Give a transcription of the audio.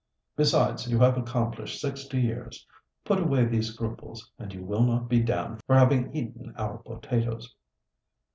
"Besides, you have accomplished sixty years: put away these scruples, and you will not be damned for having eaten our potatoes."